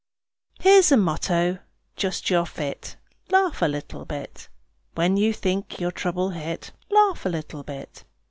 Here's a motto, just your fit Laugh a little bit. When you think you're trouble hit, Laugh a little bit.